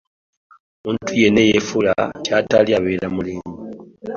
Omuntu yenna eyeefuula ky'atali abeera mulimba.